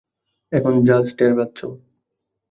এখন ঝাজ টের পাচ্ছ?